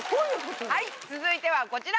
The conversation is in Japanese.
はい続いてはこちら。